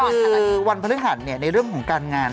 คือวันพระธรรมฯในเรื่องของการงาน